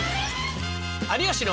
「有吉の」。